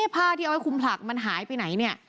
ผ้าที่เอาไว้คุมผลักมันหายไปไหนเนี่ย